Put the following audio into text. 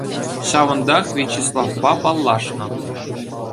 Ҫавӑнтах Вячеславпа паллашнӑ.